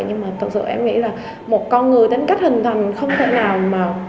nhưng mà thực sự em nghĩ là một con người tính cách hình thành không thể nào mà